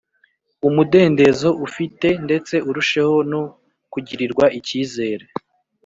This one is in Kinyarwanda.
Umudendezo ufite ndetse urusheho no kugirirwa icyizere